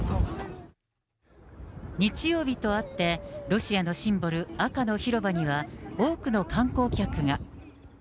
日曜日とあって、ロシアのシンボル、赤の広場には、多くの観光客が。